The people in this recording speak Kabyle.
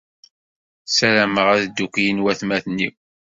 Sarameɣ ad ddukklen watmaten-iw.